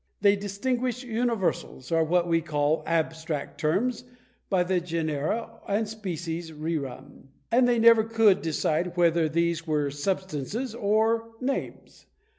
They distinguished universals, or what we call abstract terms, by the genera and species rerum; and they never could decide whether these were substances or names!